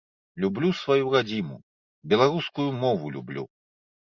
Люблю сваю радзіму, беларускую мову люблю.